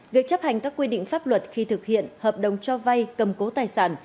việc chấp hành các quy định pháp luật khi thực hiện hợp đồng cho vay cầm cố tài sản